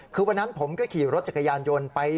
คือวันนั้นผมก็ขี่รถจักรยานยนต์ไป